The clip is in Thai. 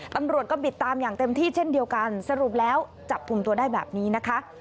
ตำรวจก็บิดตามอย่างเต็มที่เช่นเดียวกันสรุปแล้วจับกลุ่มตัวได้แบบนี้นะคะ